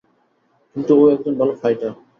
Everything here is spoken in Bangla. কিন্তু ও একজন ভালো ফাইটার।